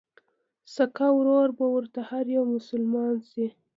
سکه ورور به ورته هر يو مسلمان شي